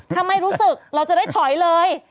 ถ้าไม่รู้สึกเราจะได้ถอยเลย